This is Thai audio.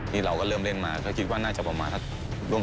ที่เราก็เริ่มเล่นมาคิดว่าน่าจะประมาณ